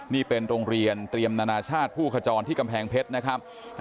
นี่เป็นโรงเรียนเตรียมนานาชาติผู้ขจรที่กำแพงเพชรนะครับ